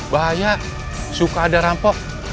bahaya suka ada rampok